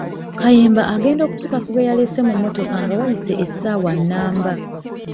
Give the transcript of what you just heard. Kayemba agenda okutuuka ku be yalese mu mmotoka nga wayise essaawa nnamba.